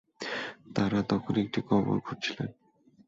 তারা তখন একটি কবর খুঁড়ছিলেন।